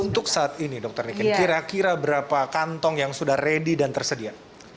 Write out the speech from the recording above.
untuk saat ini dr nikin kira kira berapa kantong yang sudah ready dan tersedia